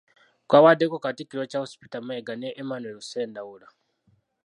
Kwabaddeko Katikkiro Charles Peter Mayiga ne Emmanuel Ssendaula.